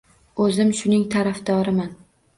– O‘zim shuning tarafdoriman.